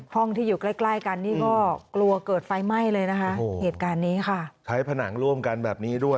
ห้องที่อยู่ใกล้กันก็กลัวเกิดไฟไหม้เลยนะคะ